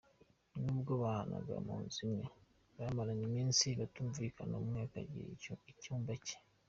Nubwo babanaga mu nzu imwe, bamaranye iminsi batumvikana, umwe akagira icyumba cye.